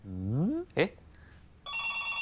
えっ？